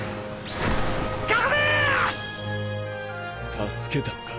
助けたのか？